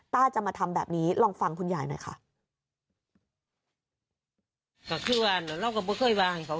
จะมาทำแบบนี้ลองฟังคุณยายหน่อยค่ะ